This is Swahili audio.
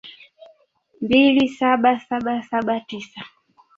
mbili saba saba saba tisa